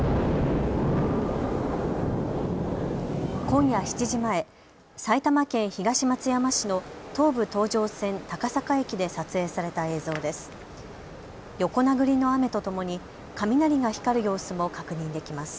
今夜７時前、埼玉県東松山市の東武東上線高坂駅で撮影された映像です。